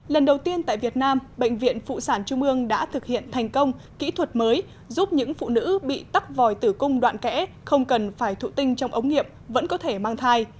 lần đầu tiên tại việt nam bệnh viện phụ sản trung ương đã thực hiện thành công kỹ thuật mới giúp những phụ nữ bị tắc vòi tử cung đoạn kẽ không cần phải thụ tinh trong ống nghiệm vẫn có thể mang thai